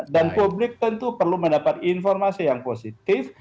publik tentu perlu mendapat informasi yang positif